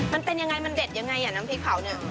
มันเป็นยังไงมันเด็ดยังไงอ่ะน้ำพริกเผาเนี่ย